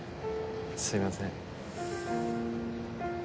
すいません。